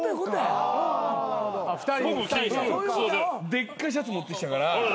でっかいシャツ持ってきたから。